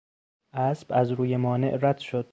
اسب از روی مانع رد شد.